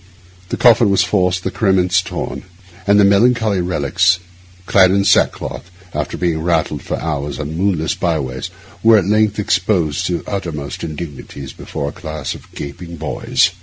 The coffin was forced, the cerements torn, and the melancholy relics, clad in sackcloth, after being rattled for hours on moonless byways, were at length exposed to uttermost indignities before a class of gaping boys.